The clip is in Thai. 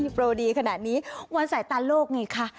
โปรดีขนาดนี้วันสายตาโลกไงคะ